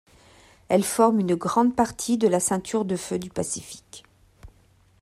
Elles forment une grande partie de la ceinture de feu du Pacifique.